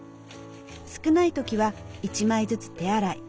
少ない時は一枚ずつ手洗い。